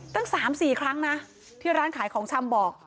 ตั้ง๓๔ครั้งนะที่ร้านขายของชำบอก